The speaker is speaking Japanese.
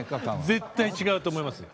絶対違うと思います。